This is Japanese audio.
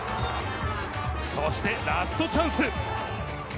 そしてラストチャンス。